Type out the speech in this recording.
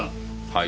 はい？